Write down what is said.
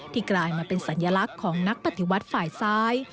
กลายมาเป็นสัญลักษณ์ของนักปฏิวัติฝ่ายซ้าย